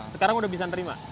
sekarang udah bisa nerima